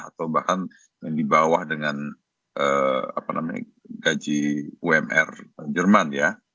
atau bahkan dibawah dengan gaji wmr jerman